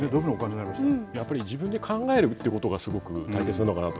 やっぱり自分で考えることがすごく大切なのかなと。